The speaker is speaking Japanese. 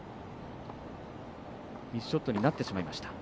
ミスショットになってしまいました。